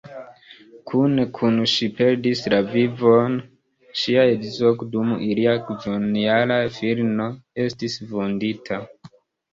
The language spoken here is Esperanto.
Kune kun ŝi perdis la vivon ŝia edzo dum ilia kvinjara filino estis vundita.